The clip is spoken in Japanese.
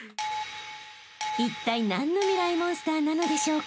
［いったい何のミライ☆モンスターなのでしょうか？］